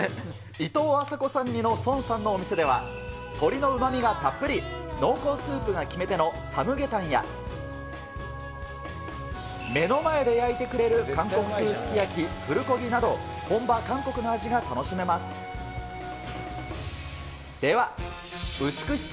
いとうあさこさん似のソンさんのお店では、鶏のうまみがたっぷり、濃厚スープが決め手のサムゲタンや、目の前で焼いてくれる韓国風すき焼き、プルコギなど、本場韓国の味が楽しめます。